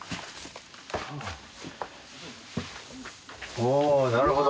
おなるほど。